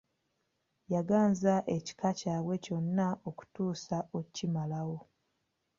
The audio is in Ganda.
Yaganza ekika kyabwe kyonna okutuusa okimalawo.